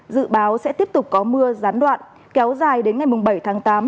dự báo sẽ tiếp tục có mưa gián đoạn kéo dài đến ngày bảy tháng tám